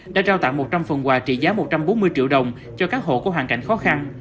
đã trao tặng một trăm linh phần quà trị giá một trăm bốn mươi triệu đồng cho các hộ có hoàn cảnh khó khăn